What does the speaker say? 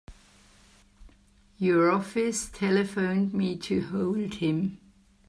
Your office telephoned me to hold him.